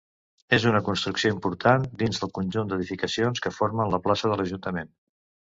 És una construcció important dins del conjunt d'edificacions que formen la plaça de l'Ajuntament.